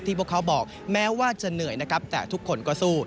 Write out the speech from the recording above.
พวกเขาบอกแม้ว่าจะเหนื่อยนะครับแต่ทุกคนก็สู้